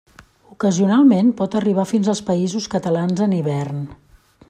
Ocasionalment pot arribar fins als Països Catalans en hivern.